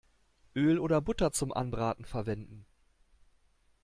Öl oder Butter zum Anbraten verwenden.